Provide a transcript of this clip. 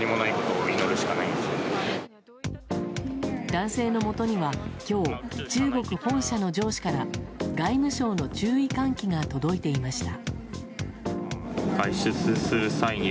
男性のもとには今日中国本社の上司から外務省の注意喚起が届いていました。